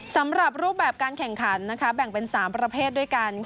สำหรับรูปแบบการแข่งขันแบ่งเป็น๓ประเภทด้วยกัน